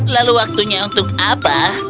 lalu waktunya untuk apa